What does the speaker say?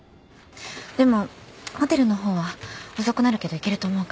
でもホテルの方は遅くなるけど行けると思うから。